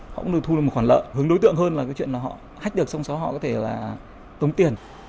họ cũng được thu được một khoản lợi hướng đối tượng hơn là cái chuyện họ hách được xong sau đó họ có thể là tốn tiền